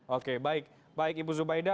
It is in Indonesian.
oke baik baik ibu zubaida